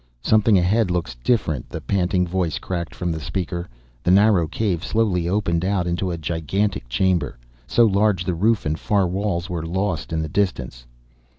"Something ahead looks different," the panting voice cracked from the speaker. The narrow cave slowly opened out into a gigantic chamber, so large the roof and far walls were lost in the distance.